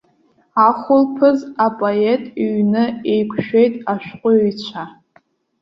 Ахәылԥаз апоет иҩны еиқәшәеит ашәҟәыҩҩцәа.